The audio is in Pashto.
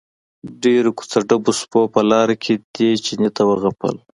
ډېرو کوڅه ډبو سپو په لاره کې دې چیني ته وغپل.